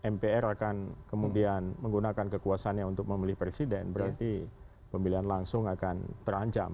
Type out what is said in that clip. mpr akan kemudian menggunakan kekuasaannya untuk memilih presiden berarti pemilihan langsung akan terancam